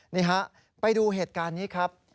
นี่ฮะไปดูเหตุการณ์นี้ครับ